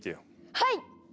はい！